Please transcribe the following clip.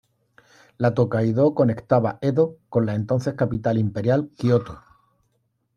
La Tōkaidō conectaba Edo con la entonces capital imperial, Kioto.